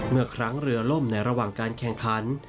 เมื่อครั้งเรือล่มในระหว่างการแข่งขัน